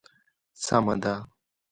سمه ده.